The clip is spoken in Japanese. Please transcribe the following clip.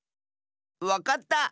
わかった！